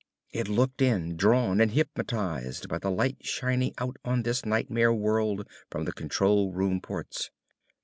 It looked in, drawn and hypnotized by the light shining out on this nightmare world from the control room ports.